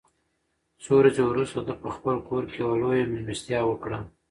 څو ورځې وروسته ده په خپل کور کې یوه لویه مېلمستیا وکړه.